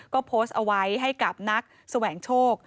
ก็โพสต์เอาไว้ให้กับนักแสวงโชค